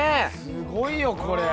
すごいよこれ。